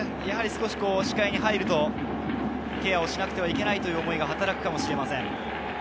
やはり視界に入るとケアをしなければいけないという思いが働くのかもしれません。